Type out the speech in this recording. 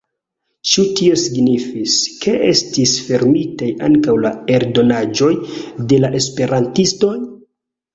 Ĉu tio signifis, ke estis fermitaj ankaŭ la eldonaĵoj de la esperantistoj?